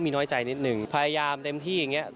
มีน้อยใจนิดนึงพยายามเต็มที่